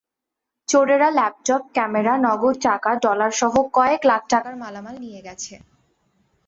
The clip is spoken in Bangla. চোরেরা ল্যাপটপ, ক্যামেরা, নগদ টাকা, ডলারসহ কয়েক লাখ টাকার মালামাল নিয়ে গেছে।